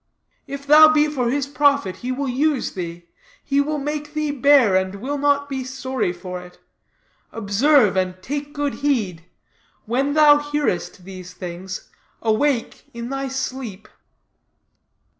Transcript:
If thou be for his profit he will use thee; he will make thee bear, and will not be sorry for it. Observe and take good heed. When thou hearest these things, awake in thy sleep.'"